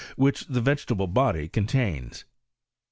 which the vegetable body con tains.